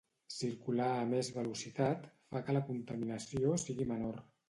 Circular a més velocitat fa que la contaminació sigui menor.